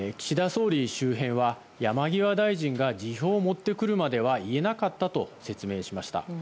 総理周辺は、山際大臣が辞表を持ってくるまでは言えなかったと説明しました。